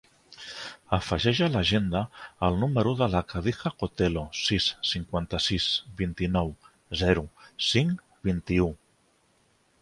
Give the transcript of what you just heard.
Afegeix a l'agenda el número de la Khadija Cotelo: sis, cinquanta-sis, vint-i-nou, zero, cinc, vint-i-u.